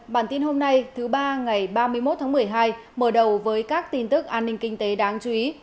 bản tin hôm nay thứ ba ngày ba mươi một tháng một mươi hai mở đầu với các tin tức an ninh kinh tế đáng chú ý